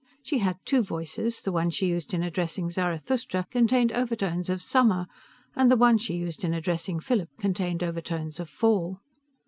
She had two voices: the one she used in addressing Zarathustra contained overtones of summer, and the one she used in addressing Philip contained overtones of fall.